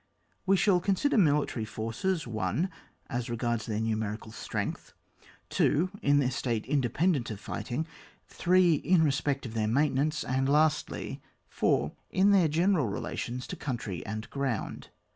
We shall consider military forces :— 1. As regards their numerical strength and organisation. 2. In their state independent of fight ing. 3. In respect of their maintenance; and, lastly y 4. In their general relations to country and ground.